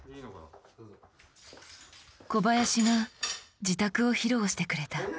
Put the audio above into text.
小林が自宅を披露してくれた。